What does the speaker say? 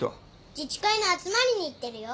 自治会の集まりに行ってるよ。